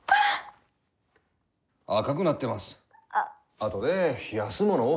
あとで冷やすものを。